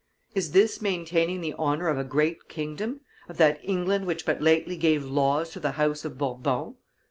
Is this maintaining the honor of a great kingdom, of that England which but lately gave laws to the House of Bourbon?"